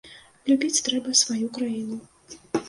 Любіць трэба сваю краіну.